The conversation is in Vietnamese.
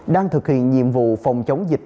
đang thực hiện nhiệm vụ phòng chống dịch